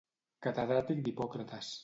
Catedràtic d’Hipòcrates.